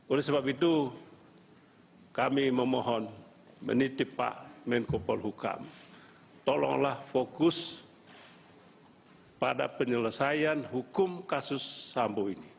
oleh sebab itu kami memohon menitip pak menko polhukam tolonglah fokus pada penyelesaian hukum kasus sambo ini